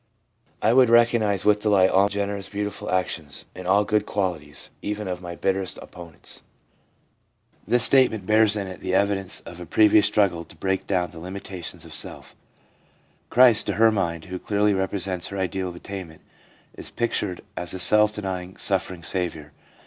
I would recognise with delight all generous, beautiful actions, and all good qualities, even of my bitterest opponents.' This statement bears in it the evidence 346 THE PSYCHOLOGY OF RELIGION of a previous struggle to break down the limitations of self. Christ, to her mind, who clearly represents her ideal of attainment, is pictured as a self denying, suffering Saviour.